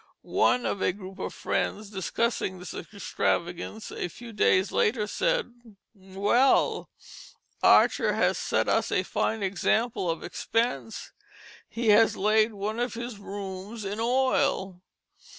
One of a group of friends, discussing this extravagance a few days later, said: "Well! Archer has set us a fine example of expense, he has laid one of his rooms in oil."